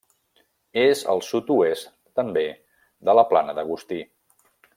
És al sud-oest, també, de la Plana d'Agustí.